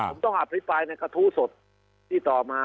ผมต้องอภิปรายในกระทู้สดที่ต่อมา